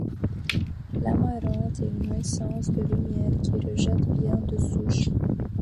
L'amarante est une essence de lumière qui rejette bien de souche.